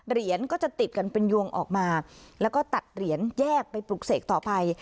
เหรียญก็จะติดกันเป็นยวงออกมาแล้วก็ตัดเหรียญแยกไปปลุกเสกต่อไป